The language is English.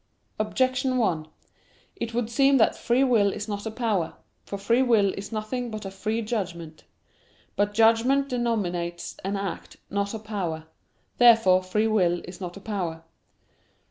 Objection 1: It would seem that free will is not a power. For free will is nothing but a free judgment. But judgment denominates an act, not a power. Therefore free will is not a power.